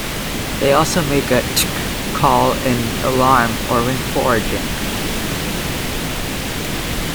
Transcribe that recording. They also make a 'Tck' call in alarm or when foraging.